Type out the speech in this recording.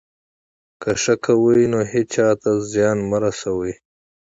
که ښه کوئ، نو هېچا ته زیان مه رسوئ.